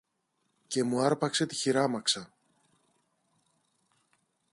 και μου άρπαξε τη χειράμαξα.